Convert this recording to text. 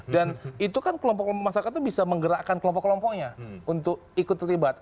dan itu kan kelompok kelompok masyarakat itu bisa menggerakkan kelompok kelompoknya untuk ikut terlibat